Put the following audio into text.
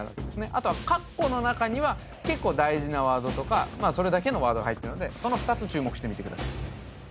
あとは「」の中には結構大事なワードとかそれだけのワードが入ってるのでその２つ注目してみてください